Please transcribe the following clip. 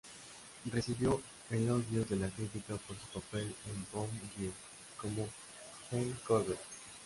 Recibió elogios de la crítica por su papel en Bomb Girls como Gene Corbett.